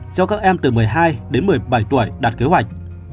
cho các em từ một mươi hai đến một mươi bảy tuổi đạt kế hoạch